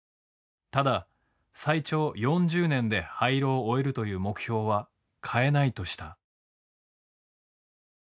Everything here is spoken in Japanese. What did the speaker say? ただ最長４０年で廃炉を終えるという目標は変えないとした。